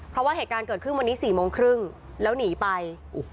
เพราะว่าเหตุการณ์เกิดขึ้นวันนี้๔โมงครึ่งแล้วหนีไป